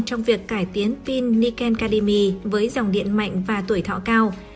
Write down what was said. trong việc cải tiến pin niken cademy với dòng điện mạnh và tuổi thọ cao